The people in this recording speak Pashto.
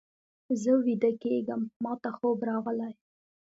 زه ویده کېږم، ماته خوب راغلی.